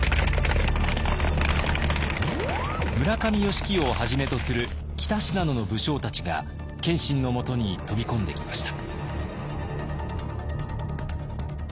村上義清をはじめとする北信濃の武将たちが謙信のもとに飛び込んできました。